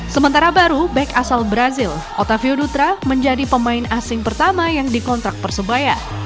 sementara baru back asal brazil otavio dutra menjadi pemain asing pertama yang dikontrak persebaya